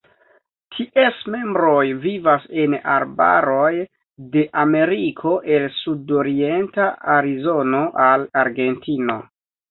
Ties membroj vivas en arbaroj de Ameriko el sudorienta Arizono al Argentino.